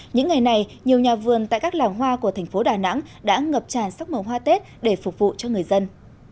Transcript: những ngày này nhiều nhà vườn tại các làng hoa của thành phố đà nẵng đã ngập tràn sắc màu hoa tết để phục vụ cho người dân